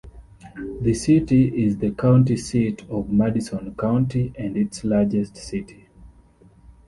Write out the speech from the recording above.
The city is the county seat of Madison County and its largest city.